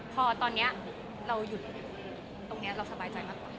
พอตอนนี้เราหยุดตรงนี้เราสบายใจมากกว่า